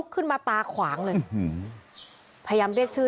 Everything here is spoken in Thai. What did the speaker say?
คุณพี่คนนี้เลย